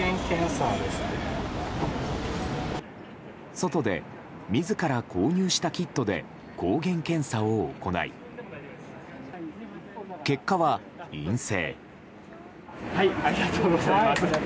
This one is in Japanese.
外で自ら購入したキットで抗原検査を行い結果は陰性。